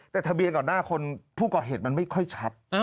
แต่ทะเบียนก่อนหน้าคนผู้ก่อเหตุมันไม่ค่อยชัด